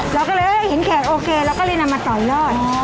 เราก็เลยเห็นแขกโอเคเราก็เลยนำมาต่อยอด